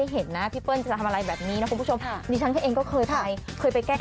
หัวแล้วจริงนะคะ